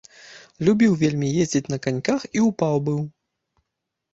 Любіў вельмі ездзіць на каньках і ўпаў быў.